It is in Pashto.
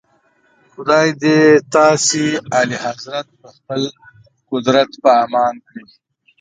خدای دې تاسي اعلیحضرت په خپل قدرت په امان کړي.